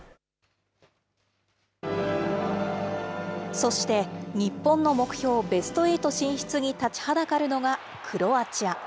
そして、日本の目標、ベストエイト進出に立ちはだかるのが、クロアチア。